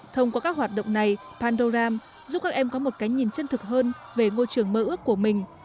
thông qua các hoạt động này pandoram giúp các em có một cái nhìn chân thực hơn về ngôi trường mơ ước của mình